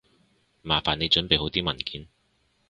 麻煩你準備好啲文件